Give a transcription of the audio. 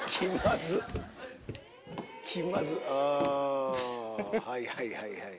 あはいはいはいはい。